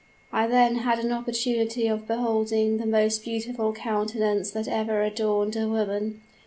I then had an opportunity of beholding the most beautiful countenance that ever adorned a woman.